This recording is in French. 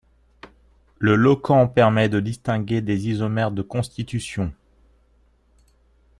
Le locant permet de distinguer des isomères de constitution.